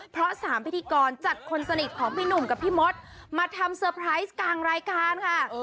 เพราะ๓พิธีกรจัดคนสนิทของพี่หนุ่มกับพี่มดมาทำเซอร์ไพรส์กลางรายการค่ะ